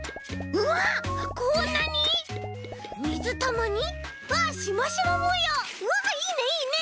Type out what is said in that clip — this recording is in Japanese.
うわいいねいいね！